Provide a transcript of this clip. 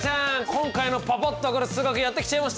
今回のパパっと分かる数学やって来ちゃいました！